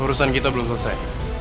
urusan kita belum selesai